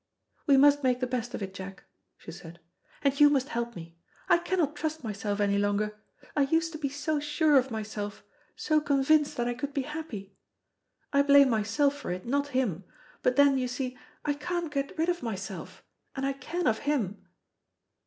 "We must make the best of it, Jack," she said; "and you must help me. I cannot trust myself any longer. I used to be so sure of myself, so convinced that I could be happy. I blame myself for it, not him; but then, you see, I can't get rid of myself, and I can of him.